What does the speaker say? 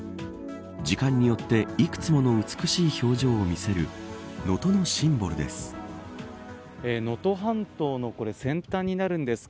時間によって幾つもの美しい表情を見せる能登のシンボルです。